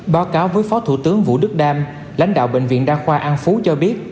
báo cáo với phó thủ tướng vũ đức đam lãnh đạo bệnh viện đa khoa an phú cho biết